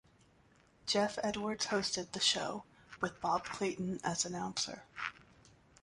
Geoff Edwards hosted the show, with Bob Clayton as announcer.